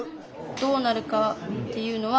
どうなるかっていうのは